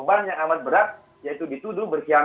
bung karno dipulihkan